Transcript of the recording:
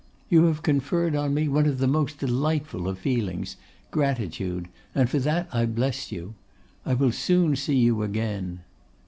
You have conferred on me one of the most delightful of feelings, gratitude, and for that I bless you. I will soon see you again.